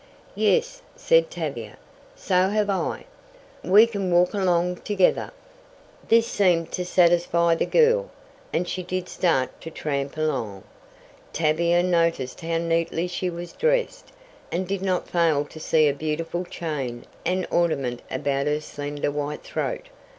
"Yes," said Tavia, "so have I. We can walk along together." This seemed to satisfy the girl, and she did start to tramp along. Tavia noticed how neatly she was dressed, and did not fail to see a beautiful chain and ornament about her slender white throat.